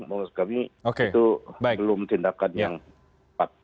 menurut kami itu belum tindakan yang tepat